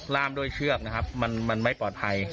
ล่ามด้วยเชือกนะครับมันไม่ปลอดภัย